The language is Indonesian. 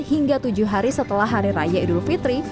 hingga tujuh hari setelah hari raya idul fitri